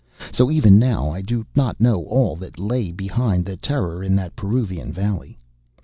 So, even now I do not know all that lay behind the terror in that Peruvian valley.